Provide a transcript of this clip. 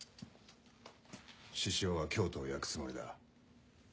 志々雄は京都を焼くつもりだ。